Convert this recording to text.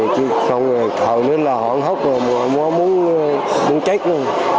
chứ không người hổ nữa là hổ không khóc rồi hổ muốn chết luôn